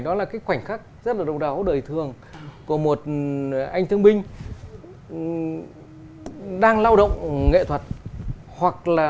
đó là cái khoảnh khắc rất là độc đáo đời thường của một anh thương binh đang lao động nghệ thuật hoặc là